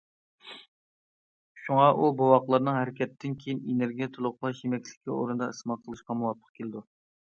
شۇڭا، ئۇ بوۋاقلارنىڭ ھەرىكەتتىن كېيىن ئېنېرگىيە تولۇقلاش يېمەكلىكى ئورنىدا ئىستېمال قىلىشىغا مۇۋاپىق كېلىدۇ.